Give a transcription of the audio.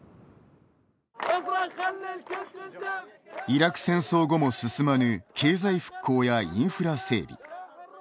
イラク戦争後も進まぬ経済復興やインフラ整備。